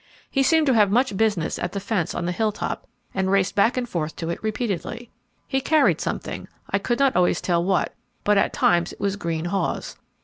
He seemed to have much business on the fence at the hilltop, and raced back and forth to it repeatedly. He carried something, I could not always tell what, but at times it was green haws.